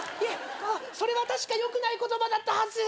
それは確かよくない言葉だったはず！